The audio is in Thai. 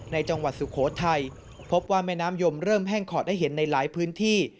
จังหวัดสุโขทัยพบว่าแม่น้ำยมเริ่มแห้งขอดได้เห็นในหลายพื้นที่